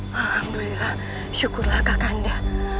alhamdulillah syukurlah kak kanda